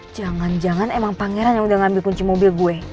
jangan jangan emang pangeran yang udah ngambil kunci mobil gue